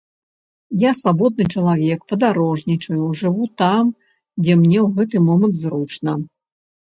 Я свабодны чалавек, падарожнічаю, жыву там, дзе мне ў гэты момант зручна.